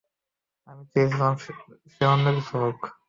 আমি চেয়েছিলাম সে অন্য কিছু হোক।